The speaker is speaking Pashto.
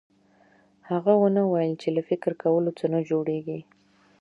هغه ونه ويل چې له فکر کولو څه نه جوړېږي.